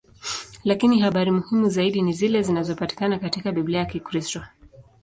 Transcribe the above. Lakini habari muhimu zaidi ni zile zinazopatikana katika Biblia ya Kikristo.